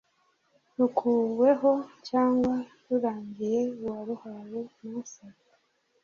rukuweho cyangwa rurangiye uwaruhawe ntasabe